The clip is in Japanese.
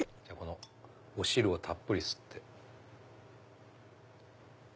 お汁をたっぷり吸って。